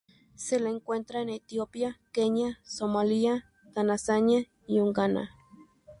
Se la encuentra en Etiopía, Kenia, Somalía, Tanzania y Uganda.